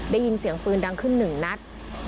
ได้ยินเสียงปืนดังขึ้นหนึ่งนัด